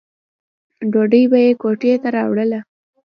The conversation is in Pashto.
ډوډۍ به یې کوټې ته راوړله.